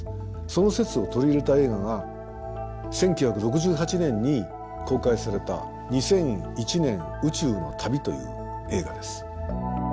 その説を取り入れた映画が１９６８年に公開された「２００１年宇宙の旅」という映画です。